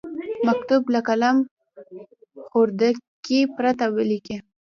مکتوب له قلم خوردګۍ پرته ولیکئ.